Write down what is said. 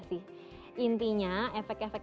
sih intinya efek efek